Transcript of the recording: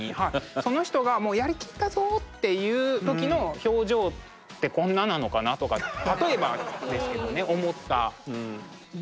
その人がもうやり切ったぞっていう時の表情ってこんななのかなとか例えばですけどね思ったり。